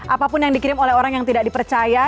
apapun yang dikirim oleh orang yang tidak dipercaya